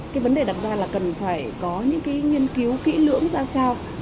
cái vấn đề đặt ra là cần phải có những cái nghiên cứu kỹ lưỡng ra sao